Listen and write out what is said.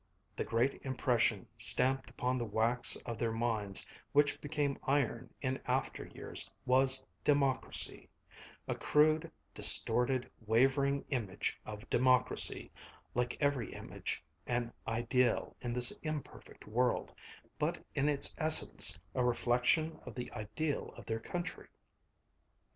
The great impression stamped upon the wax of their minds, which became iron in after years, was democracy a crude, distorted, wavering image of democracy, like every image an ideal in this imperfect world, but in its essence a reflection of the ideal of their country.